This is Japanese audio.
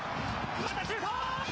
またシュート。